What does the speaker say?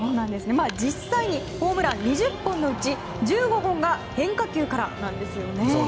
実際にホームラン２０本のうち１５本が変化球からなんですよね。